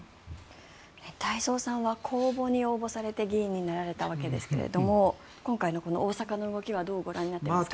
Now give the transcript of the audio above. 太蔵さんは公募に応募されて議員になられたわけですが今回の大阪の動きはどうご覧になっていますか？